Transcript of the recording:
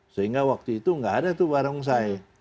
sehingga waktu itu nggak ada tuh barongsai